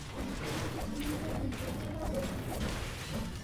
Toomaj এটা ঠিক করতে পারবে?